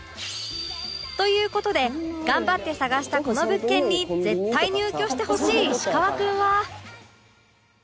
という事で頑張って探したこの物件に絶対入居してほしい石川君は